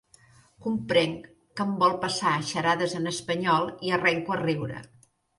Comprenc que em vol passar xarades en espanyol i arrenco a riure.